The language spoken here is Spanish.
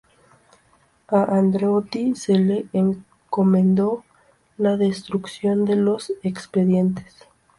A Andreotti se le encomendó la destrucción de los expedientes.